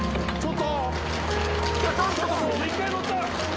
ちょっと！